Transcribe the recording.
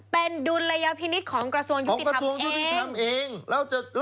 เป็นดุลยพินิษฐ์ของกระทรวงของกระทรวงยุติธรรมเอง